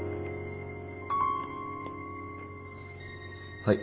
はい。